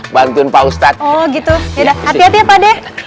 bantuin pak ustadz oh gitu ya hati hati ya pade